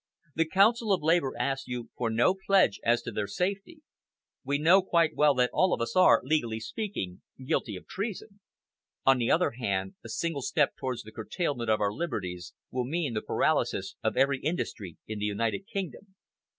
The Council of Labour asks you for no pledge as to their safety. We know quite well that all of us are, legally speaking, guilty of treason. On the other hand, a single step towards the curtailment of our liberties will mean the paralysis of every industry in the United Kingdom."